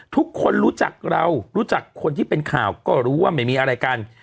ทุกคนรู้จักเรารู้จักคนที่เป็นข่าวก็รู้ว่าไม่มีอะไรกัน